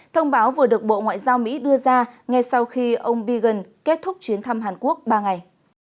thông báo vừa được bộ ngoại giao mỹ đưa ra ngay sau khi ông pagan kết thúc chuyến thăm hàn quốc ba ngày